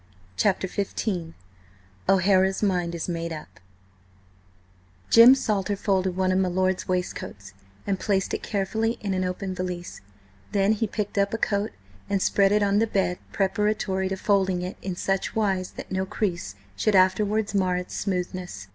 CHAPTER XV O'HARA'S MIND IS MADE UP JIM SALTER folded one of my lord's waistcoats, and placed it carefully in an open valise; then he picked up a coat, and spread it on the bed preparatory to folding it in such wise that no crease should afterwards mar its smoothness.